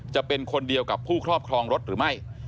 จะเป็นคนเดียวกับผู้ครอบครองรถหรือไม่